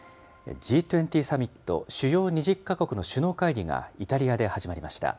Ｇ２０サミット・主要２０か国の首脳会議がイタリアで始まりました。